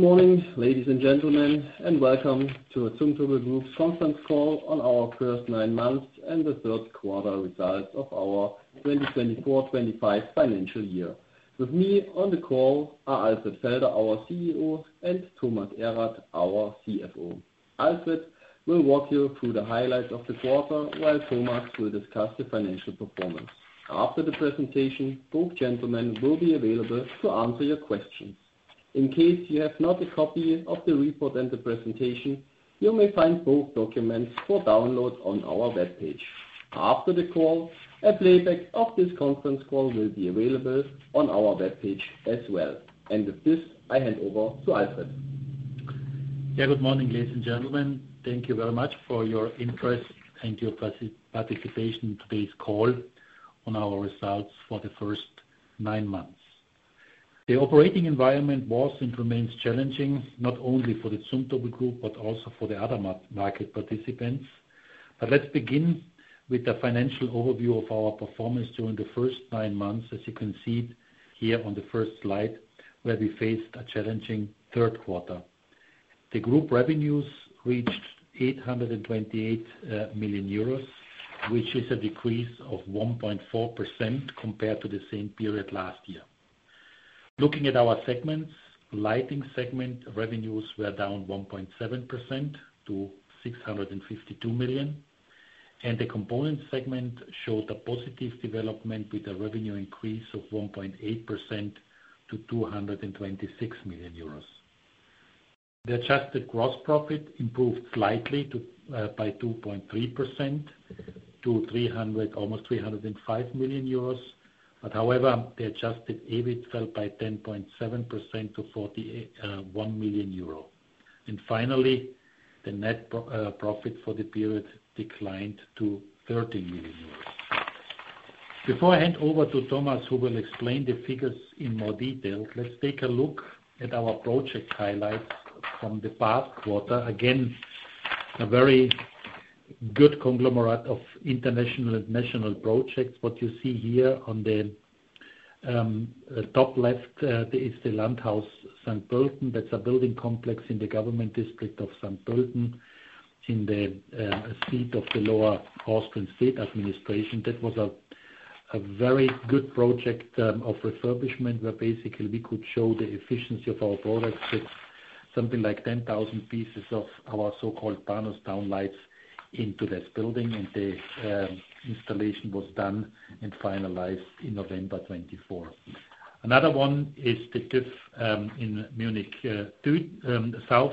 Good morning, ladies and gentlemen, and welcome to the Zumtobel Group's conference call on our first nine months and the third quarter results of our 2024-2025 financial year. With me on the call are Alfred Felder, our CEO, and Thomas Erath, our CFO. Alfred will walk you through the highlights of the quarter, while Thomas will discuss the financial performance. After the presentation, both gentlemen will be available to answer your questions. In case you have not a copy of the report and the presentation, you may find both documents for download on our webpage. After the call, a playback of this conference call will be available on our webpage as well. With this, I hand over to Alfred. Yeah, good morning, ladies and gentlemen. Thank you very much for your interest and your participation in today's call on our results for the first nine months. The operating environment was and remains challenging, not only for the Zumtobel Group, but also for the other market participants. Let's begin with a financial overview of our performance during the first nine months, as you can see here on the first slide, where we faced a challenging third quarter. The group revenues reached 828 million euros, which is a decrease of 1.4% compared to the same period last year. Looking at our segments, the Lighting segment revenues were down 1.7% to 652 million, and the Components segment showed a positive development with a revenue increase of 1.8% to 226 million euros. The adjusted gross profit improved slightly by 2.3% to almost 305 million euros, however, the adjusted EBIT fell by 10.7% to 41 million euro. Finally, the net profit for the period declined to 13 million euros. Before I hand over to Thomas, who will explain the figures in more detail, let's take a look at our project highlights from the past quarter. Again, a very good conglomerate of international and national projects. What you see here on the top left is the Landhaus St. Pölten. That's a building complex in the government district of St. Pölten, in the seat of the Lower Austrian State Administration. That was a very good project of refurbishment, where basically we could show the efficiency of our products. Something like 10,000 pieces of our so-called PANOS downlights into this building, and the installation was done and finalized in November 2024. Another one is the TÜV SÜD in Munich South,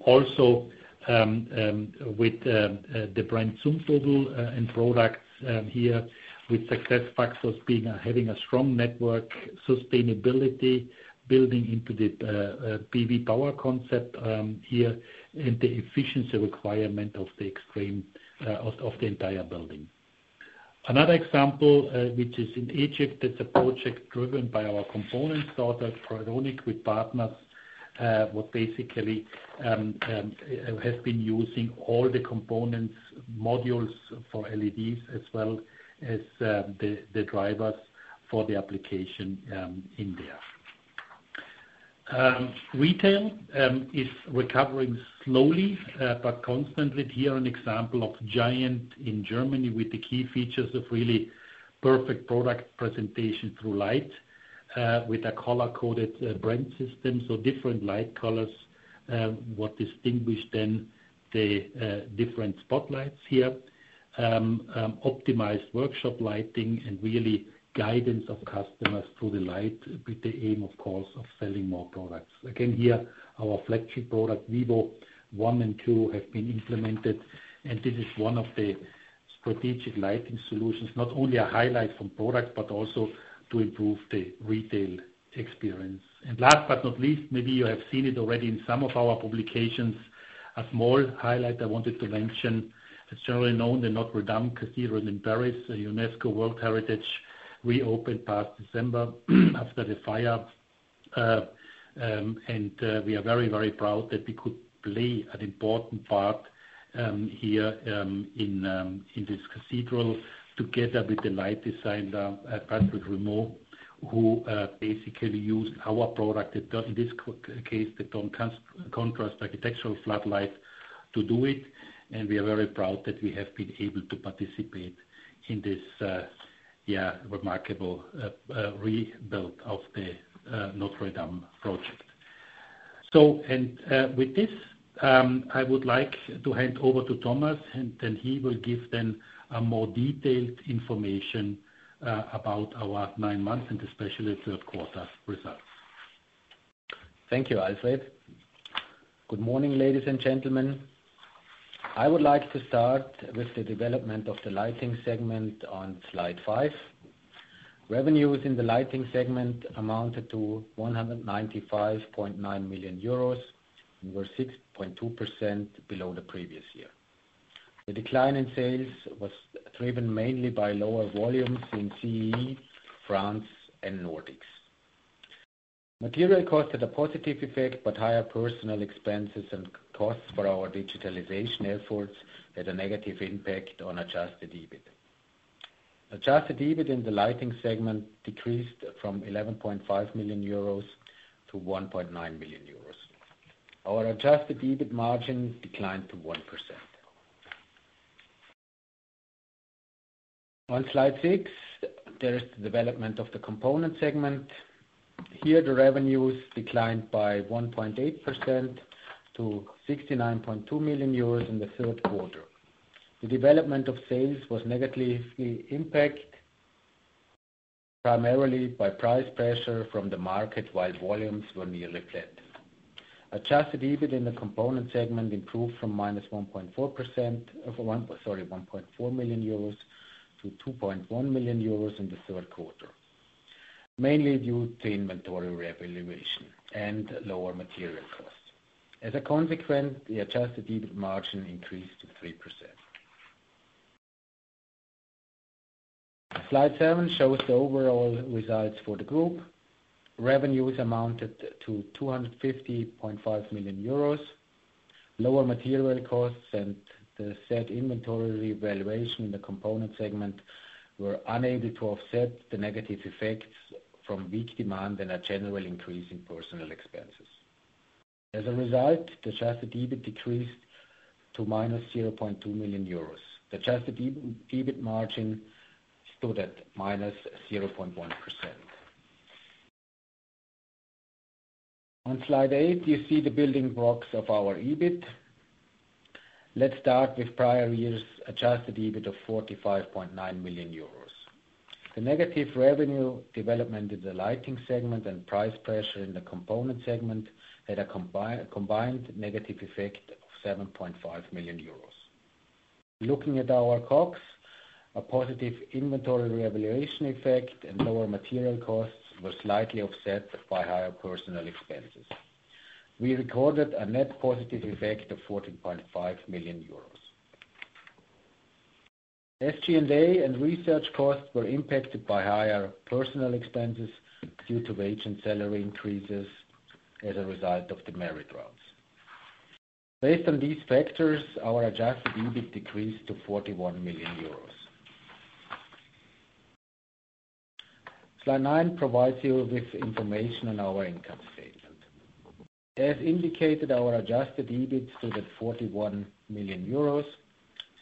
also with the brand Zumtobel and products here, with success factors being having a strong network, sustainability, building into the PV power concept here, and the efficiency requirement of the entire building. Another example, which is in Egypt, that's a project driven by our Components startup, Tridonic, with partners who basically have been using all the components, modules for LEDs, as well as the drivers for the application in there. Retail is recovering slowly, but constantly. Here's an example of GIANT in Germany with the key features of really perfect product presentation through light, with a color-coded brand system. Different light colors distinguish then the different spotlights here, optimized workshop Lighting, and really guidance of customers through the light, with the aim, of course, of selling more products. Again, here our flagship product, Vivo I and II, have been implemented, and this is one of the strategic Lighting solutions, not only a highlight from product, but also to improve the retail experience. Last but not least, maybe you have seen it already in some of our publications, a small highlight I wanted to mention. It's generally known the Notre-Dame Cathedral in Paris, a UNESCO World Heritage reopened past December after the fire, and we are very, very proud that we could play an important part here in this cathedral, together with the light designer, Patrick Rimoux, who basically used our product, in this case, the CONTRAST architectural floodlight, to do it. We are very proud that we have been able to participate in this, yeah, remarkable rebuild of the Notre-Dame project. With this, I would like to hand over to Thomas, and then he will give then more detailed information about our nine months and especially the third quarter results. Thank you, Alfred. Good morning, ladies and gentlemen. I would like to start with the development of the Lighting segment on slide five. Revenues in the Lighting segment amounted to 195.9 million euros, and were 6.2% below the previous year. The decline in sales was driven mainly by lower volumes in CEE, France, and Nordics. Material cost had a positive effect, but higher personnel expenses and costs for our digitalization efforts had a negative impact on adjusted EBIT. Adjusted EBIT in the Lighting segment decreased from 11.5 million euros to 1.9 million euros. Our adjusted EBIT margin declined to 1%. On slide six, there is the development of the Components segment. Here, the revenues declined by 1.8% to 69.2 million euros in the third quarter. The development of sales was negatively impacted, primarily by price pressure from the market, while volumes were nearly flat. Adjusted EBIT in the Components segment improved from -1.4 million, sorry, -1.4 million euros to 2.1 million euros in the third quarter, mainly due to inventory revaluation and lower material costs. As a consequence, the adjusted EBIT margin increased to 3%. Slide seven shows the overall results for the group. Revenues amounted to 250.5 million euros. Lower material costs and the said inventory revaluation in the Components segment were unable to offset the negative effects from weak demand and a general increase in personnel expenses. As a result, the adjusted EBIT decreased to minus 0.2 million euros. The adjusted EBIT margin stood at minus 0.1%. On slide eight, you see the building blocks of our EBIT. Let's start with prior year's adjusted EBIT of 45.9 million euros. The negative revenue development in the Lighting segment and price pressure in the Components segment had a combined negative effect of -7.5 million euros. Looking at our COGS, a positive inventory revaluation effect and lower material costs were slightly offset by higher personnel expenses. We recorded a net positive effect of 14.5 million euros. SG&A and research costs were impacted by higher personnel expenses due to wage and salary increases as a result of the merit rounds. Based on these factors, our adjusted EBIT decreased to 41 million euros. Slide nine provides you with information on our income statement. As indicated, our adjusted EBIT stood at 41 million euros.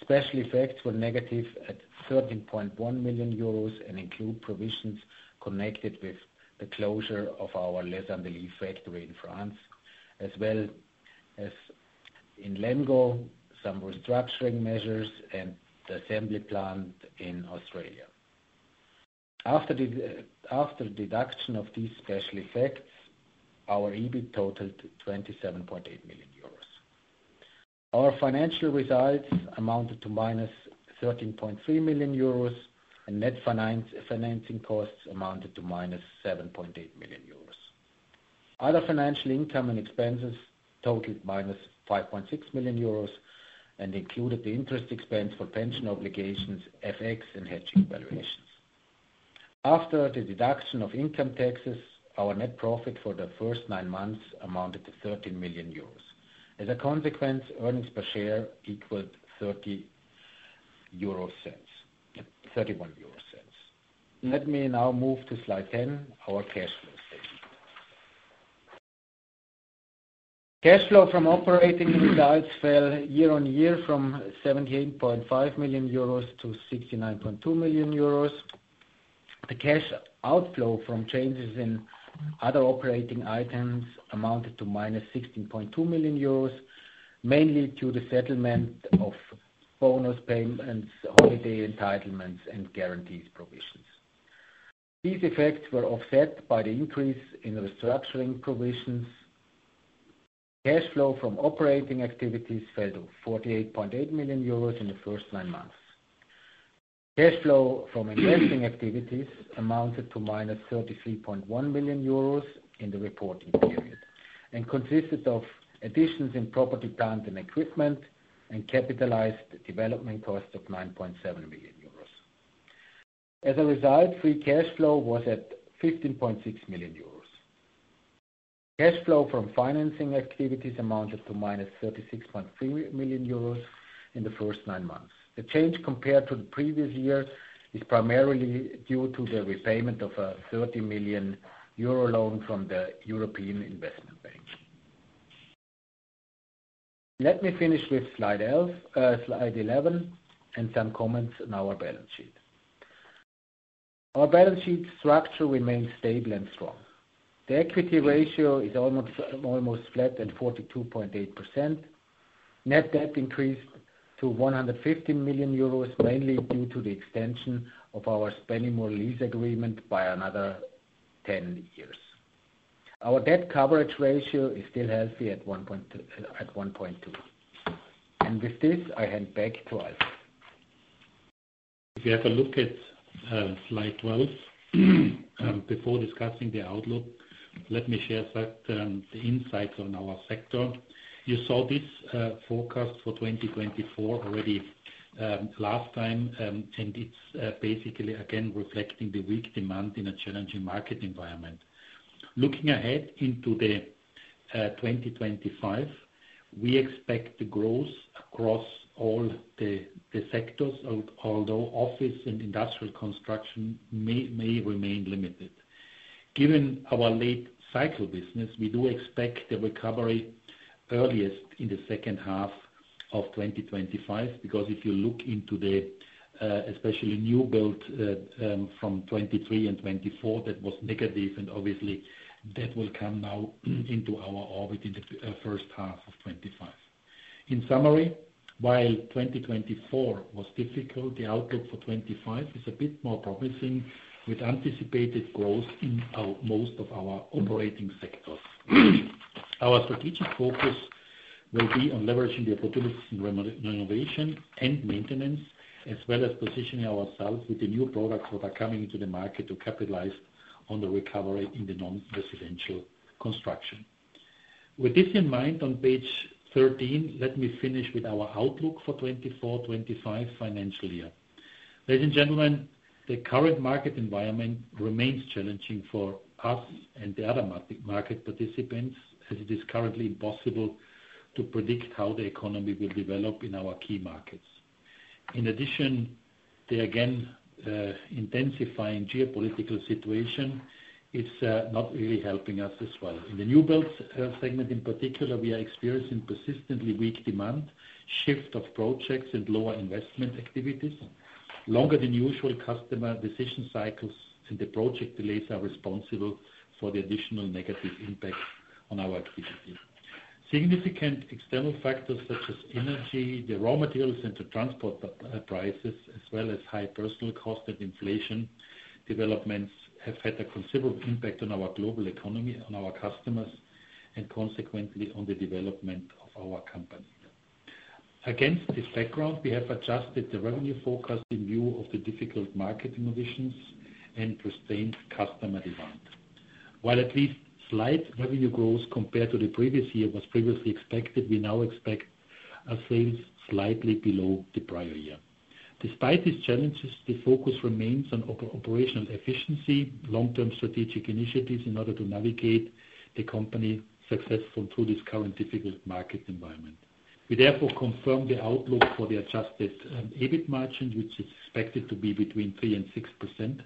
Special effects were negative at 13.1 million euros and include provisions connected with the closure of our Les Andelys factory in France, as well as in Lemgo, some restructuring measures, and the assembly plant in Australia. After deduction of these special effects, our EBIT totaled 27.8 million euros. Our financial results amounted to minus 13.3 million euros, and net financing costs amounted to -7.8 million euros. Other financial income and expenses totaled minus 5.6 million euros and included the interest expense for pension obligations, FX, and hedging valuations. After the deduction of income taxes, our net profit for the first nine months amounted to 13 million euros. As a consequence, earnings per share equaled 0.31. Let me now move to slide 10, our cash flow statement. Cash flow from operating results fell year on year from 17.5 million euros to 69.2 million euros. The cash outflow from changes in other operating items amounted to minus 16.2 million euros, mainly due to the settlement of bonus payments, holiday entitlements, and guarantees provisions. These effects were offset by the increase in restructuring provisions. Cash flow from operating activities fell to 48.8 million euros in the first nine months. Cash flow from investing activities amounted to minus 33.1 million euros in the reporting period and consisted of additions in property, plant, and equipment and capitalized development cost of 9.7 million euros. As a result, free cash flow was at 15.6 million euros. Cash flow from financing activities amounted to minus 36.3 million euros in the first nine months. The change compared to the previous year is primarily due to the repayment of a 30 million euro loan from the European Investment Bank. Let me finish with slide 11 and some comments on our balance sheet. Our balance sheet structure remains stable and strong. The equity ratio is almost flat at 42.8%. Net debt increased to 115 million euros, mainly due to the extension of our Spennymoor lease agreement by another 10 years. Our debt coverage ratio is still healthy at 1.2. With this, I hand back to Alfred. If you have a look at slide 12, before discussing the outlook, let me share the insights on our sector. You saw this forecast for 2024 already last time, and it's basically again reflecting the weak demand in a challenging market environment. Looking ahead into 2025, we expect the growth across all the sectors, although office and industrial construction may remain limited. Given our late cycle business, we do expect the recovery earliest in the second half of 2025, because if you look into the especially new build from 2023 and 2024, that was negative, and obviously that will come now into our orbit in the first half of 2025. In summary, while 2024 was difficult, the outlook for 2025 is a bit more promising, with anticipated growth in most of our operating sectors. Our strategic focus will be on leveraging the opportunities in renovation and maintenance, as well as positioning ourselves with the new products that are coming into the market to capitalize on the recovery in the non-residential construction. With this in mind, on page 13, let me finish with our outlook for 2024-2025 financial year. Ladies and gentlemen, the current market environment remains challenging for us and the other market participants, as it is currently impossible to predict how the economy will develop in our key markets. In addition, the again intensifying geopolitical situation is not really helping us as well. In the new build segment, in particular, we are experiencing persistently weak demand, shift of projects, and lower investment activities. Longer than usual customer decision cycles and the project delays are responsible for the additional negative impact on our activity. Significant external factors such as energy, the raw materials, and the transport prices, as well as high personnel cost and inflation developments, have had a considerable impact on our global economy, on our customers, and consequently on the development of our company. Against this background, we have adjusted the revenue forecast in view of the difficult market conditions and sustained customer demand. While at least slight revenue growth compared to the previous year was previously expected, we now expect sales slightly below the prior year. Despite these challenges, the focus remains on operational efficiency, long-term strategic initiatives in order to navigate the company successfully through this current difficult market environment. We therefore confirm the outlook for the adjusted EBIT margin, which is expected to be between 3% and 6%,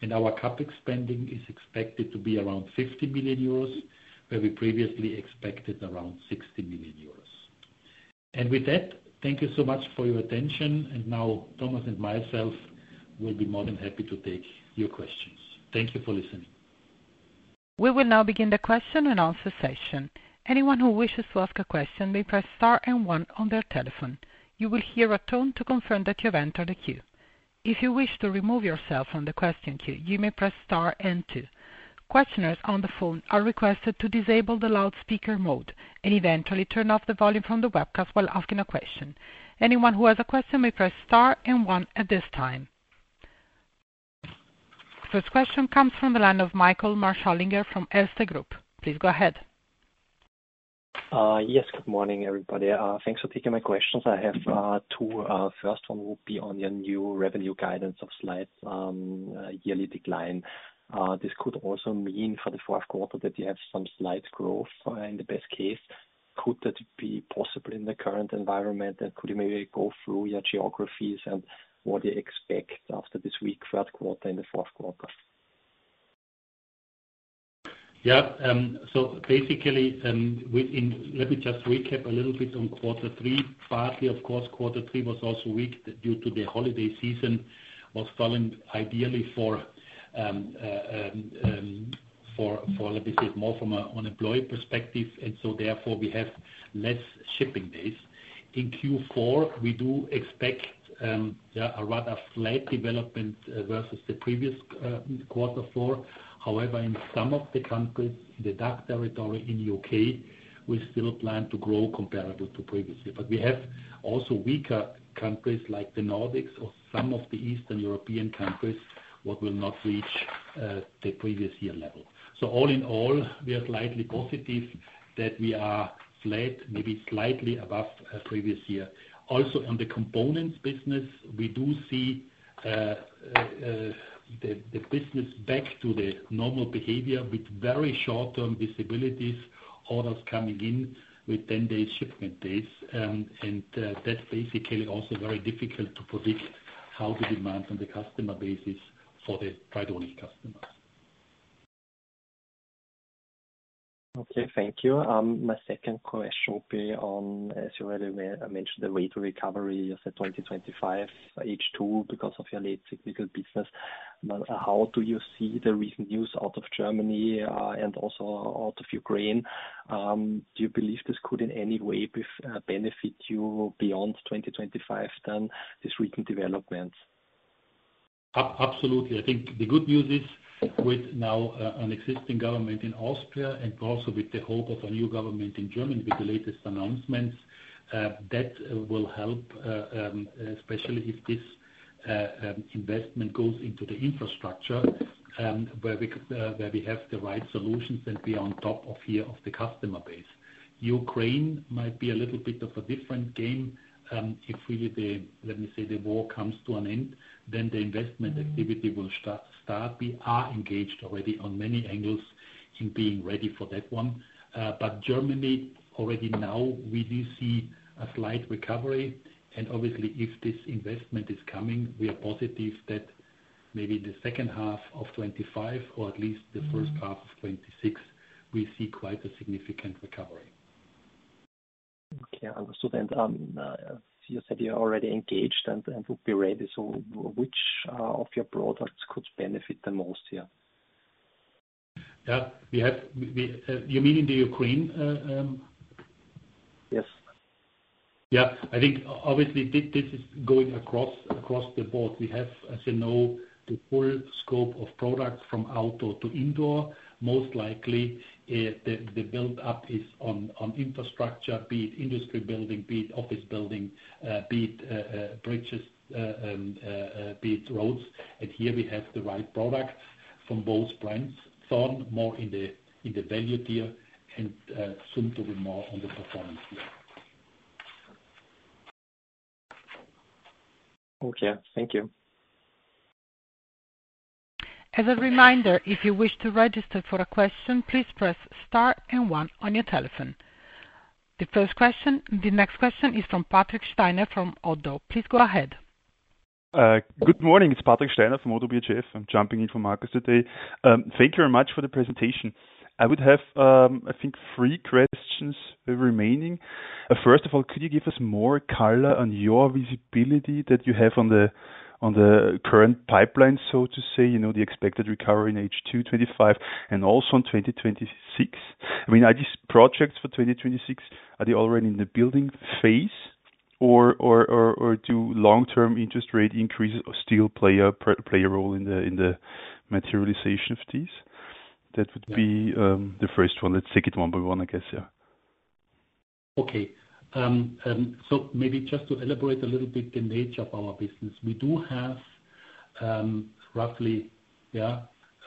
and our CapEx spending is expected to be around 50 million euros, where we previously expected around 60 million euros. Thank you so much for your attention, and now Thomas and myself will be more than happy to take your questions. Thank you for listening. We will now begin the question and answer session. Anyone who wishes to ask a question may press star and one on their telephone. You will hear a tone to confirm that you have entered a queue. If you wish to remove yourself from the question queue, you may press star and two. Questioners on the phone are requested to disable the loudspeaker mode and eventually turn off the volume from the webcast while asking a question. Anyone who has a question may press star and one at this time. The first question comes from the line of Michael Marschallinger from Erste Group. Please go ahead. Yes, good morning, everybody. Thanks for taking my questions. I have two. First one will be on your new revenue guidance of slight yearly decline. This could also mean for the fourth quarter that you have some slight growth in the best case. Could that be possible in the current environment, and could you maybe go through your geographies and what do you expect after this week, first quarter, and the fourth quarter? Yeah, so basically, let me just recap a little bit on quarter three. Partly, of course, quarter three was also weak due to the holiday season was falling ideally for, let me say, more from an unemployed perspective, and so therefore we have less shipping days. In Q4, we do expect a rather flat development versus the previous quarter four. However, in some of the countries, the DACH territory in the U.K., we still plan to grow comparable to previously. We have also weaker countries like the Nordics or some of the Eastern European countries that will not reach the previous year level. All in all, we are slightly positive that we are flat, maybe slightly above previous year. Also, on the Components business, we do see the business back to the normal behavior with very short-term visibilities, orders coming in with 10-day shipment days, and that's basically also very difficult to predict how the demand on the customer base is for the Tridonic customers. Okay, thank you. My second question will be on, as you already mentioned, the rate of recovery for 2025, H2, because of your late cyclical business. How do you see the recent news out of Germany and also out of Ukraine? Do you believe this could in any way benefit you beyond 2025 than these recent developments? Absolutely. I think the good news is with now an existing government in Austria and also with the hope of a new government in Germany with the latest announcements, that will help, especially if this investment goes into the infrastructure where we have the right solutions and we are on top of here of the customer base. Ukraine might be a little bit of a different game. If really, let me say, the war comes to an end, then the investment activity will start. We are engaged already on many angles in being ready for that one. Germany, already now, we do see a slight recovery, and obviously, if this investment is coming, we are positive that maybe in the second half of 2025 or at least the first half of 2026, we see quite a significant recovery. Okay, understood. You said you're already engaged and would be ready. Which of your products could benefit the most here? Yeah, you mean in the Ukraine? Yes. Yeah, I think obviously this is going across the board. We have, as you know, the full scope of products from outdoor to indoor. Most likely, the build-up is on infrastructure, be it industry building, be it office building, be it bridges, be it roads. Here we have the right products from both brands, Thorn, more in the value tier, and soon to be more on the performance tier. Okay, thank you. As a reminder, if you wish to register for a question, please press star and one on your telephone. The next question is from Patrick Steiner from ODDO BHF. Please go ahead. Good morning, it's Patrick Steiner from ODDO BHF. I'm jumping in for Marcus today. Thank you very much for the presentation. I would have, I think, three questions remaining. First of all, could you give us more color, on your visibility that you have on the current pipeline, so to say, the expected recovery in H2 2025 and also in 2026? I mean, are these projects for 2026, are they already in the building phase, or do long-term interest rate increases still play a role in the materialization of these? That would be the first one. Let's take it one by one, I guess, yeah. Okay, maybe just to elaborate a little bit the nature of our business. We do have roughly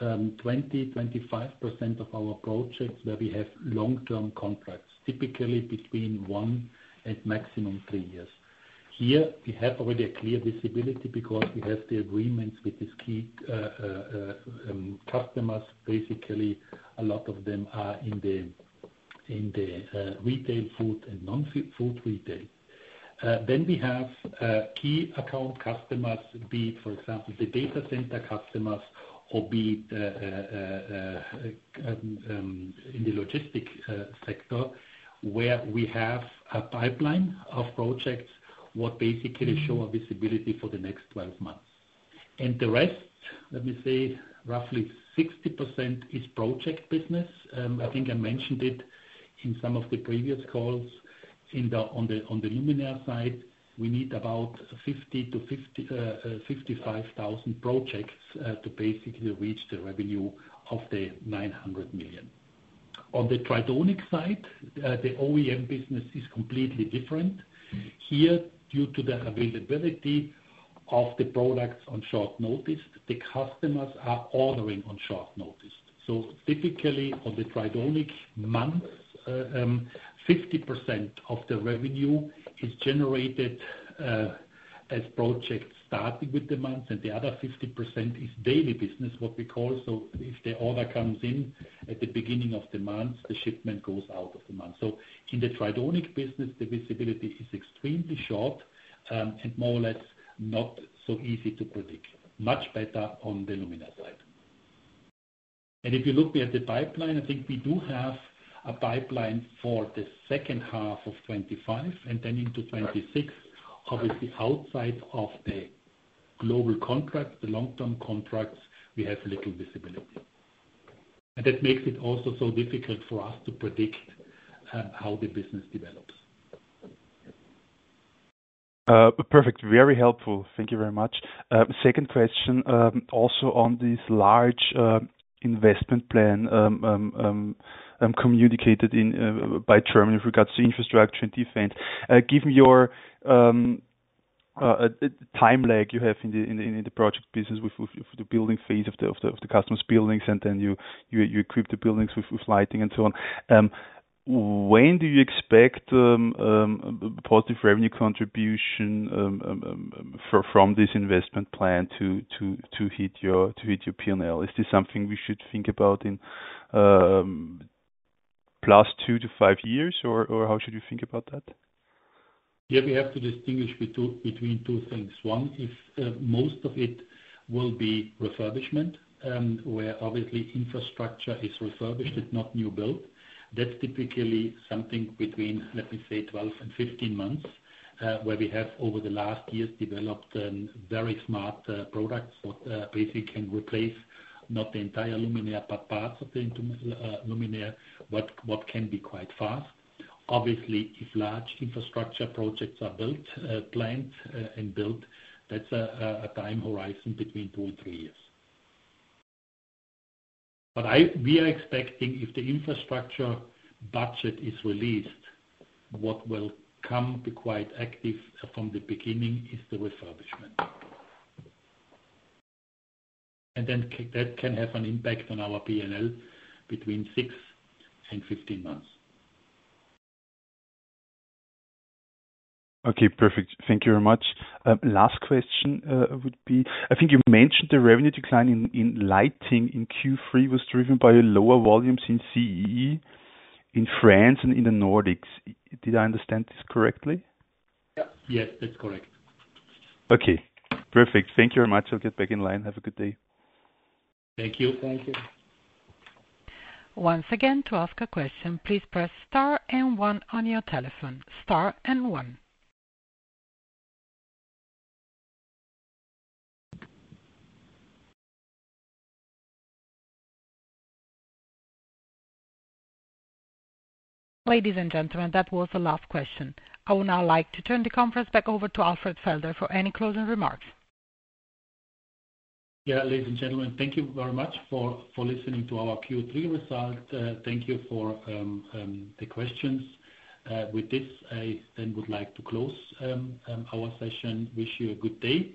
20%-25% of our projects where we have long-term contracts, typically between one and maximum three years. Here, we have already a clear visibility because we have the agreements with these key customers. Basically, a lot of them are in the retail food and non-food retail. We have key account customers, be it, for example, the data center customers, or be it in the logistic sector, where we have a pipeline of projects that basically show a visibility for the next 12 months. The rest, let me say, roughly 60% is project business. I think I mentioned it in some of the previous calls. On the luminaire side, we need about 50,000-55,000 projects to basically reach the revenue of 900 million. On the Tridonic side, the OEM business is completely different. Here, due to the availability of the products on short notice, the customers are ordering on short notice. Typically, on the Tridonic months, 50% of the revenue is generated as projects starting with the months, and the other 50% is daily business, what we call. If the order comes in at the beginning of the month, the shipment goes out of the month. In the Tridonic business, the visibility is extremely short and more or less not so easy to predict. Much better on the luminaire side. If you look at the pipeline, I think we do have a pipeline for the second half of 2025, and then into 2026, obviously outside of the global contracts, the long-term contracts, we have little visibility. That makes it also so difficult for us to predict how the business develops. Perfect, very helpful. Thank you very much. Second question, also on this large investment plan communicated by Germany with regards to infrastructure and defense. Give me your time lag you have in the project business with the building phase of the customers' buildings, and then you equip the buildings with Lighting and so on. When do you expect positive revenue contribution from this investment plan to hit your P&L? Is this something we should think about in plus two to five years, or how should you think about that? Yeah, we have to distinguish between two things. One is most of it will be refurbishment, where obviously infrastructure is refurbished, not new build. That is typically something between, let me say, 12 and 15 months, where we have over the last years developed very smart products that basically can replace not the entire luminaire, but parts of the luminaire, what can be quite fast. Obviously, if large infrastructure projects are planned and built, that is a time horizon between two and three years. We are expecting if the infrastructure budget is released, what will come quite active from the beginning is the refurbishment. That can have an impact on our P&L between 6 and 15 months. Okay, perfect. Thank you very much. Last question would be, I think you mentioned the revenue decline in Lighting in Q3 was driven by lower volumes in CEE, in France, and in the Nordics. Did I understand this correctly? Yes, that's correct. Okay, perfect. Thank you very much. I'll get back in line. Have a good day. Thank you. Thank you. Once again, to ask a question, please press star and one on your telephone, star and one. Ladies and gentlemen, that was the last question. I would now like to turn the conference back over to Alfred Felder for any closing remarks. Yeah, ladies and gentlemen, thank you very much for listening to our Q3 result. Thank you for the questions. With this, I then would like to close our session. Wish you a good day.